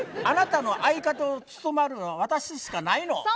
あなたの相方を務まるのは私しかないの。